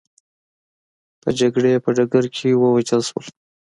په جګړې په ډګر کې ووژل شول.